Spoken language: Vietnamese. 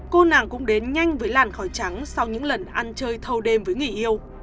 cô nàng cũng đến nhanh với làn khỏi trắng sau những lần ăn chơi thâu đêm với người yêu